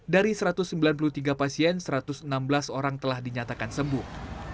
dari satu ratus sembilan puluh tiga pasien satu ratus enam belas orang telah dinyatakan sembuh